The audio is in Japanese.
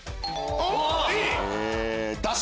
お！